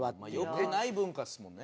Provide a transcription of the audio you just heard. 良くない文化ですもんね。